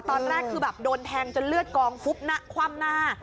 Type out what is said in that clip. ตอนแรกคือโดนแทงจนเลือดกองคุบคว่ำหน้า